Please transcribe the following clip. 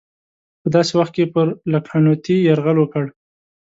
په داسې وخت کې پر لکهنوتي یرغل وکړ.